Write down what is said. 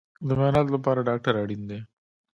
د معایناتو لپاره ډاکټر اړین دی